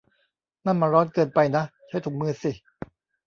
นั่นมันร้อนเกินไปนะ ! ใช้ถุงมือสิ !